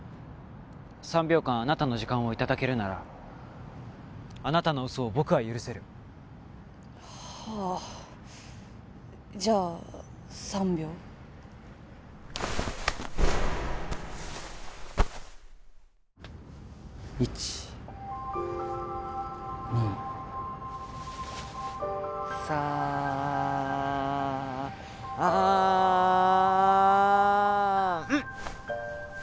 ３秒間あなたの時間をいただけるならあなたのウソを僕は許せるはあじゃあ３秒１２さあん！